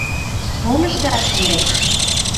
Мом ышташ ынде?